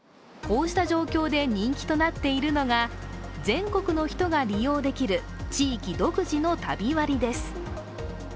こうした状況で人気となっているのが、全国の人が利用できる地域独自の旅割です。